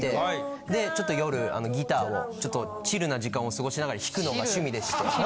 でちょっと夜ギターをちょっとチルな時間を過ごしながら弾くのが趣味でして。